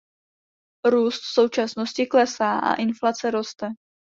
Růst v současnosti klesá a inflace roste.